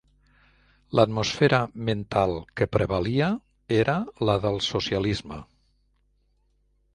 L'atmosfera mental que prevalia era la del socialisme